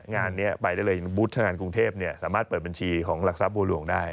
งานนี้ไปได้เลยบูธงานกรุงเทพสามารถเปิดบัญชีของหลักทรัพย์บัวหลวงได้